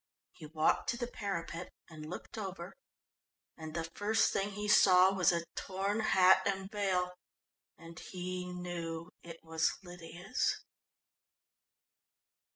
He walked to the parapet and looked over, and the first thing he saw was a torn hat and veil, and he knew it was Lydia's.